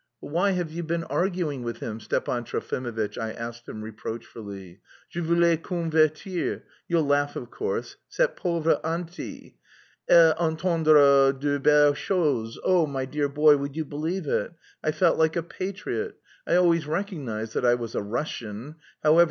"But why have you been arguing with him, Stepan Trofimovitch?" I asked him reproachfully. "Je voulais convertir you'll laugh of course cette pauvre auntie, elle entendra de belles choses! Oh, my dear boy, would you believe it. I felt like a patriot. I always recognised that I was a Russian, however...